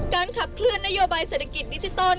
การขับเคลื่อนนโยบายเศรษฐกิจดิจิตอล